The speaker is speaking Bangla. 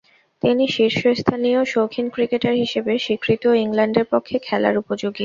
তিনি শীর্ষস্থানীয় শৌখিন ক্রিকেটার হিসেবে স্বীকৃত ও ইংল্যান্ডের পক্ষে খেলার উপযোগী।